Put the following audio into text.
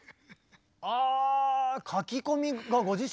あ書き込みがご自身で？